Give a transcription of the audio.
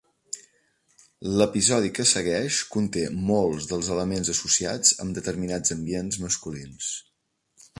L'episodi que segueix conté molts dels elements associats amb determinats ambients masculins.